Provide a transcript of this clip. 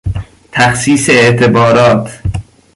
تخصیص اعتبارات